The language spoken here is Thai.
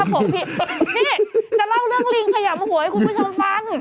นี่จะเล่าเรื่องลิงขยำหัวให้คุณผู้ชมฟัง